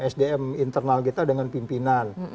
sdm internal kita dengan pimpinan